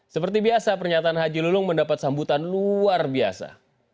seperti biasa pernyataan haji lulung mendapat sambutan luar biasa